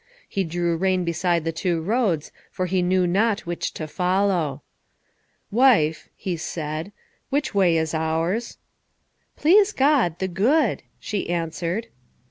He drew rein beside the two roads, for he knew not which to follow. "Wife," he said, "which way is ours?" "Please God, the good," she answered.